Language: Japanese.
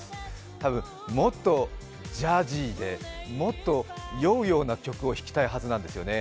多分、もっとジャジーでもっと酔うような曲を弾きたいはずなんですよね。